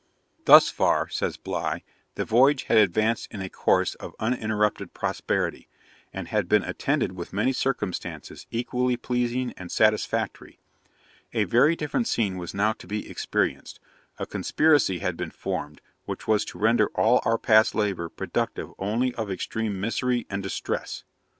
'Thus far,' says Bligh, 'the voyage had advanced in a course of uninterrupted prosperity, and had been attended with many circumstances equally pleasing and satisfactory. A very different scene was now to be experienced. A conspiracy had been formed, which was to render all our past labour productive only of extreme misery and distress.